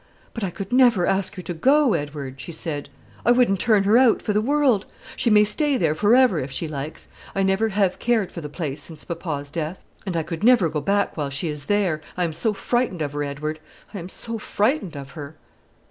"But I could never ask her to go, Edward," she said. "I wouldn't turn her out for the world. She may stay there for ever if she likes. I never have cared for the place since papa's death; and I couldn't go back while she is there, I'm so frightened of her, Edward, I'm so frightened of her."